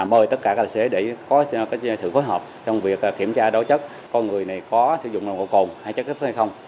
mời tất cả tài xế để có sự phối hợp trong việc kiểm tra đối chất con người này có sử dụng nồng độ cồn hay chất kích thích hay không